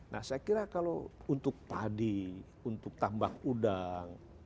nah saya kira kalau untuk padi untuk tambang udang